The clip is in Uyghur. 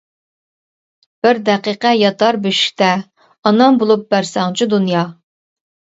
بىر دەقىقە ياتاي بۆشۈكتە ئانام بولۇپ بەرسەڭچۇ دۇنيا!